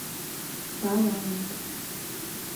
— Талант.